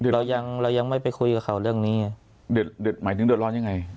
เรายังเรายังไม่ไปคุยกับเขาเรื่องนี้เด็ดหมายถึงเดือดร้อนยังไง